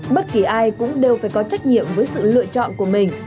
bất kỳ ai cũng đều phải có trách nhiệm với sự lựa chọn của mình